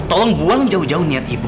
tolong buang jauh jauh niat ibu